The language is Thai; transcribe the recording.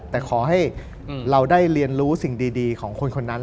แต่ขอให้เราได้เรียนรู้สิ่งดีของคนคนนั้น